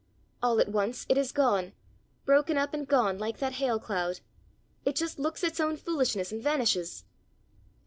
All at once it is gone, broken up and gone, like that hail cloud. It just looks its own foolishness and vanishes."